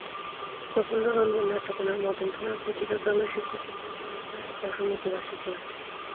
প্রফুল্ল রঞ্জননেত্রকোনার মদন থানার ফচিকা গ্রামের শিক্ষক প্রফুল্ল রঞ্জন রায়ের দশম মৃত্যুবাষিকী আজ।